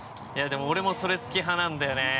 でも、俺もそれ好き派なんだよね。